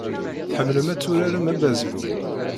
Tḥemmlem ad turarem abaseball.